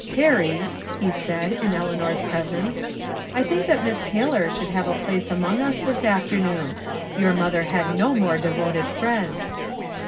" Perry," he said, in Eleanor's presence, " I think that Miss Taylor should have a place among us this afternoon. Your mother had no more devoted friend."